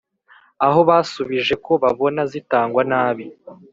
aho basubije ko babona zitangwa nabi .